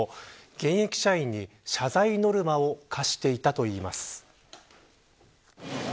現役社員に謝罪ノルマを課していたといいます。